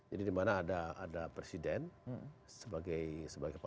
jadi dimana ada ada presiden sebagai kepala negara simbol